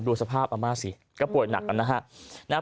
ดูสภาพอาม่าสิก็ป่วยหนักนะฮะ